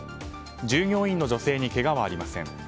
従業員の女性にけがはありません。